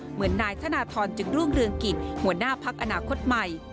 เหมือนนายธนทรจึงรุ่งเรืองกิจหัวหน้าพักอนาคตใหม่